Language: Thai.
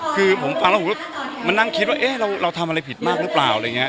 คือผมฟังละหูมันนั่งคิดว่าเราทำอะไรผิดมากหรือเปล่า